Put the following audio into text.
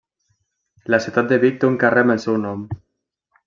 La ciutat de Vic té un carrer amb el seu nom.